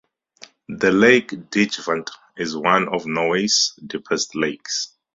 The lake Dingevatn is one of Norway's deepest lakes.